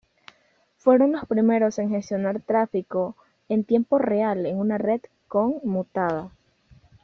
Fueron los primeros en gestionar tráfico en tiempo real en una red conmutada.